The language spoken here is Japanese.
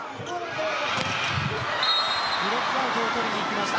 ブロックアウトを取りにいきました。